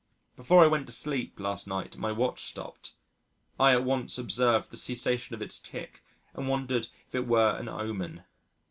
Before I went to sleep last night, my watch stopped I at once observed the cessation of its tick and wondered if it were an omen.